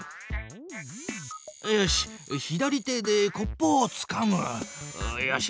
左手でコップをつかむ！よし！